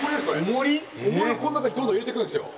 重りをこの中にどんどん入れていくんですよ。